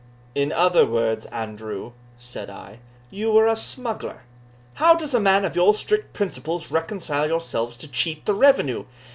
"In other words, Andrew," said I, "you were a smuggler how does a man of your strict principles reconcile yourself to cheat the revenue?"